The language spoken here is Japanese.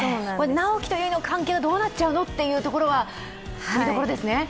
直木と悠依の関係がどうなっちゃうの？というところが見どころですね。